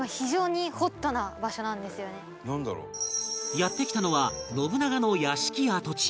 やって来たのは信長の屋敷跡地